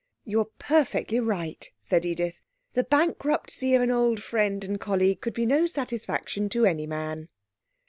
'You are perfectly right,' said Edith: 'the bankruptcy of an old friend and colleague could be no satisfaction to any man.'